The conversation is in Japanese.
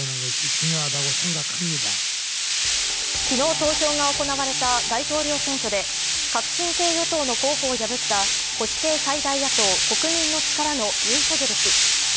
昨日投票が行われた大統領選挙で、革新系与党の候補を破った、保守系最大野党、国民の力のユン・ソギョル氏。